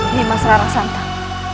ini mas rara santan